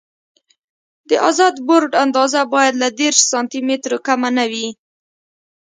د ازاد بورډ اندازه باید له دېرش سانتي مترو کمه نه وي